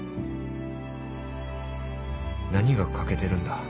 何が欠けてるんだ？